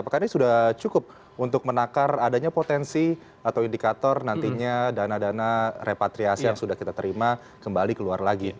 apakah ini sudah cukup untuk menakar adanya potensi atau indikator nantinya dana dana repatriasi yang sudah kita terima kembali keluar lagi